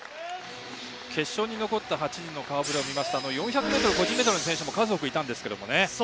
決勝に残った８人の顔ぶれを見ますと４００ｍ個人メドレーの選手も数多くいましたが。